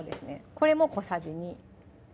これも小さじ２